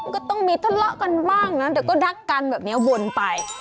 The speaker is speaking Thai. ก็ต้องมีทะเลาะกันบ้างนะเดี๋ยวก็รักกันแบบนี้วนไป